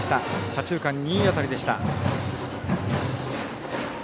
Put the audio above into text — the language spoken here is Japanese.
左中間にいい当たりでした。